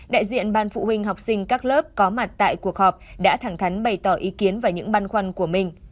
đại diện ban phụ huynh học sinh các lớp có mặt tại cuộc họp đã thẳng thắn bày tỏ ý kiến và những băn khoăn của mình